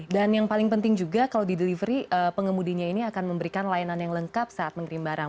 dan yang paling penting juga kalau di delivery pengemudinya ini akan memberikan layanan yang lengkap saat mengirim barang